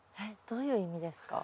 どういう意味ですか？